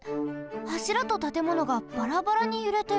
はしらとたてものがバラバラにゆれてる。